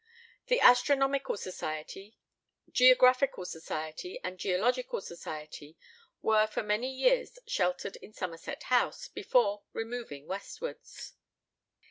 The Astronomical Society, Geographical Society, and Geological Society, were for many years sheltered in Somerset House, before removing westwards.